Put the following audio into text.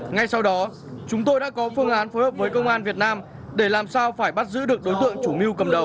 ngay sau đó chúng tôi đã có phương án phối hợp với công an việt nam để làm sao phải bắt giữ được đối tượng chủ mưu cầm đầu